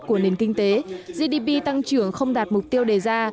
của nền kinh tế gdp tăng trưởng không đạt mục tiêu đề ra